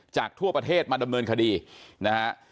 จากทั่วประเทศมาดำเนินคดีนะฮะ